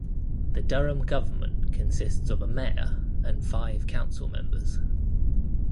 The Durham government consists of a mayor and five council members.